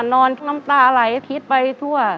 นอนน้ำตาไหลคิดไปทั่ว